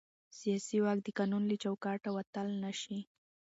سیاسي واک د قانون له چوکاټه وتل نه شي